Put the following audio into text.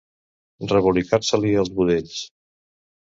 Rebolicar-se-li els budells.